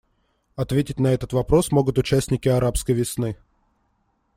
Ответить на этот вопрос могут участники «арабской весны».